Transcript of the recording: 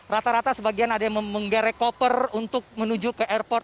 rata rata sebagian ada yang menggerek koper untuk menuju ke airport